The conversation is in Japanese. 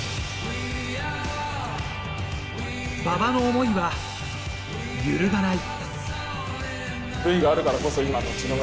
馬場の思いは揺るがない。